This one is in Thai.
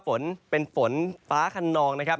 ฝนเป็นฝนฟ้าขนองนะครับ